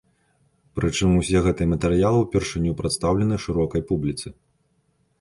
Прычым усе гэтыя матэрыялы ўпершыню прадстаўлены шырокай публіцы.